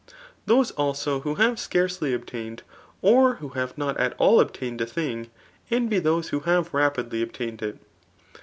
Those also who have scarcely obtained, or who have not a! :all o4>tained a thing, envy those who have rapidly obtained it.